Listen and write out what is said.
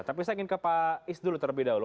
tapi saya ingin ke pak is dulu terlebih dahulu